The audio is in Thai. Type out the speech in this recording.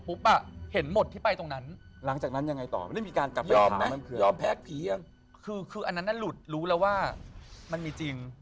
คืออันนั้นน่ะหลุดรู้แล้วว่ามันมีจริง